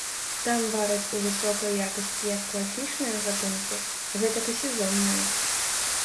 Там вараць у высокай якасці як класічныя гатункі, гэтак і сезонныя.